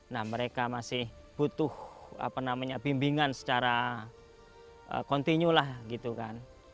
nah mereka masih butuh bimbingan secara kontinu lah gitu kan